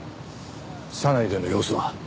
車内での様子は？